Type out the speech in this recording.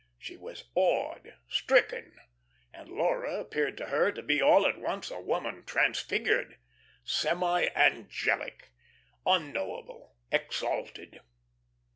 She was awed, stricken; and Laura appeared to her to be all at once a woman transfigured, semi angelic, unknowable, exalted.